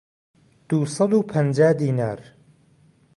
دوو سەد و پەنجا دینار